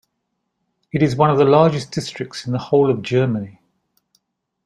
It is one of the largest districts in the whole of Germany.